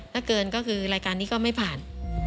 ถ้าเกินก็คือรายการนี้ก็ไม่ผ่าน